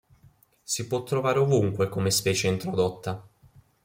Si può trovare ovunque come specie introdotta.